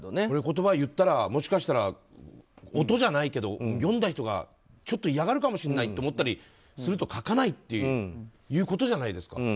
この言葉を言ったらもしかしたら音じゃないけど読んだ人がちょっと嫌がるかもしれないって思ったら書かないということじゃないですか。